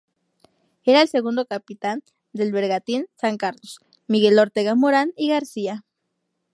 Era el Segundo Capitán del Bergantín San Carlos, Miguel Ortega Morán y García.